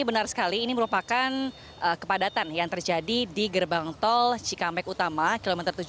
benar sekali ini merupakan kepadatan yang terjadi di gerbang tol cikampek utama kilometer tujuh puluh